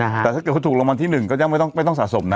แต่ถ้าเกิดถูกรองรองร์ที่๑ก็ยังไม่ต้องไม่ต้องสะสมนะ